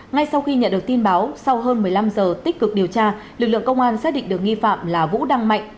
ngay sau khi nhận được tin báo sau hơn một mươi năm giờ tích cực điều tra lực lượng công an xác định được nghi phạm là vũ đăng mạnh